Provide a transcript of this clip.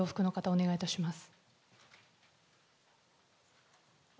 お願いいたします。